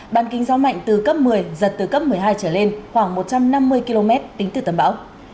bàn kính gió mạnh từ cấp một mươi giật từ cấp một mươi hai trở lên khoảng một trăm năm mươi km tính từ tâm bão